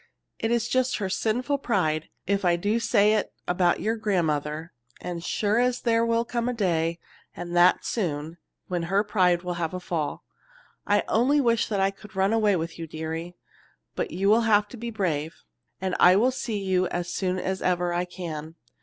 It is just her sinful pride, if I do say it about your grandmother, and sure as sure there will come a day and that soon, when her pride will have a fall. I only wish I could run away with you, dearie. But you will have to be brave, and I will see you as soon as ever I can.